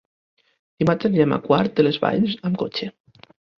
Dimarts anirem a Quart de les Valls amb cotxe.